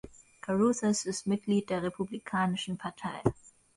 Carruthers ist Mitglied der Republikanischen Partei.